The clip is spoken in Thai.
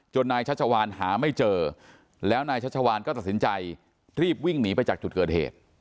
นายชัชวานหาไม่เจอแล้วนายชัชวานก็ตัดสินใจรีบวิ่งหนีไปจากจุดเกิดเหตุ